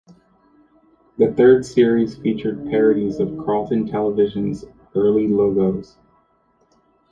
The third series featured parodies of Carlton Television's early logos.